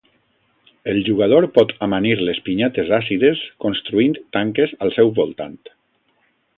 El jugador pot amanir les pinyates àcides construint tanques al seu voltant.